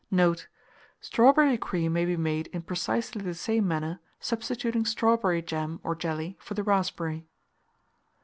Note. Strawberry cream may be made in precisely the same manner, substituting strawberry jam or jelly for the raspberry.